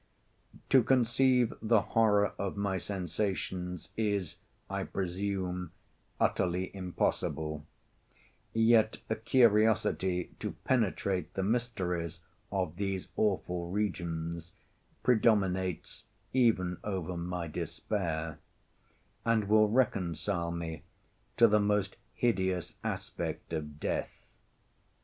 To conceive the horror of my sensations is, I presume, utterly impossible; yet a curiosity to penetrate the mysteries of these awful regions, predominates even over my despair, and will reconcile me to the most hideous aspect of death.